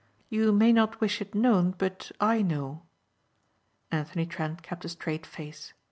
You may not wish it known but I know." Anthony Trent kept a straight face.